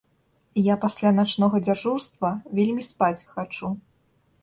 Я пасля начнога дзяжурства, вельмі спаць хачу.